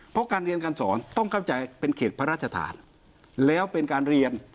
เพราะการเรียนการสอนต้องเข้าใจเป็นเขตพระราชฐานแล้วเป็นการเรียน